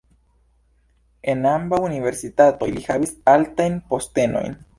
En ambaŭ universitatoj li havis altajn postenojn.